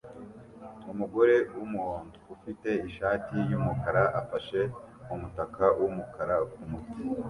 Umugore wumuhondo ufite ishati yumukara afashe umutaka wumukara kumutwe